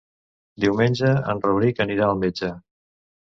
Diumenge en Rauric anirà al metge.